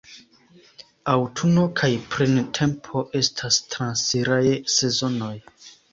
Aŭtuno kaj printempo estas transiraj sezonoj.